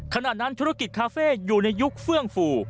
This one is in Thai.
ขณะนั้นธุรกิจคาเฟ่อยู่ในยุคเฟื่องฟู